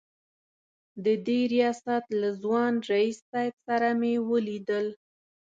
د دې ریاست له ځوان رییس صیب سره مې ولیدل.